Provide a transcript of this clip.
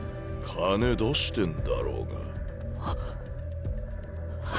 金出してんだろうが。